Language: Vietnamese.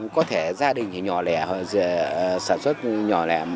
có thể gia đình thì nhỏ lẻ sản xuất nhỏ lẻ